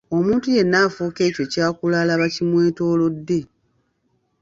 Omuntu yenna afuuka ekyo ky'akula alaba kimwetoolodde.